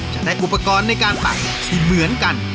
จะได้อุปกรณ์ในการตักที่เหมือนกัน